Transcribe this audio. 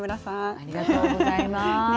ありがとうございます。